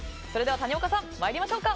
谷岡さん、参りましょうか。